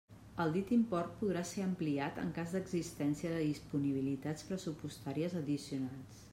El dit import podrà ser ampliat en cas d'existència de disponibilitats pressupostàries addicionals.